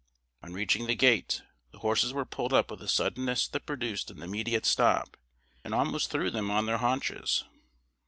On reaching the gate, the horses were pulled up with a suddenness that produced an immediate stop, and almost threw them on their haunches.